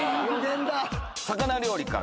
魚料理から。